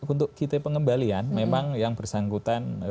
untuk kita pengembalian memang yang bersangkutan